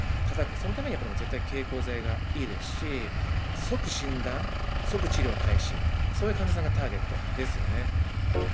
そのためには絶対経口剤がいいですし、即診断、即治療開始、そういう患者さんがターゲットですよね。